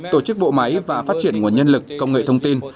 tổ chức bộ máy và phát triển nguồn nhân lực công nghệ thông tin